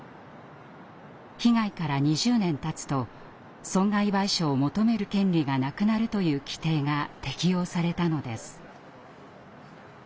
被害から２０年たつと損害賠償を求める権利がなくなるという規定が適用されたのです。